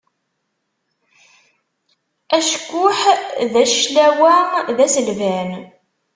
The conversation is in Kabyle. Acekkuḥ d aclawa,d aselban.